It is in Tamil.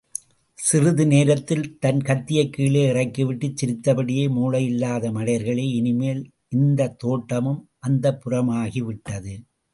சிறிது நேரத்தில், தன் கத்தியைக் கீழே இறக்கிவிட்டுச் சிரித்தபடியே, மூளையில்லாத மடையர்களே, இனிமேல் இந்தத் தோட்டமும் அந்தப்புரமாகிவிட்டது.